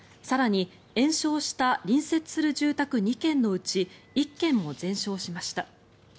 更に延焼した隣接する住宅２軒のうち１軒も全焼しました。